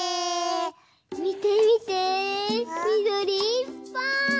みてみてみどりいっぱい！